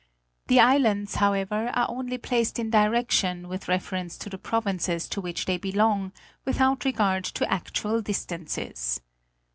The islands, however, are only placed in direction with reference to the provinces to which they belong, without regard to actual distances.